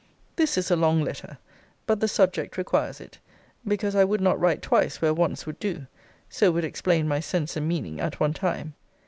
This is a long letter. But the subject requires it; because I would not write twice where once would do. So would explain my sense and meaning at one time.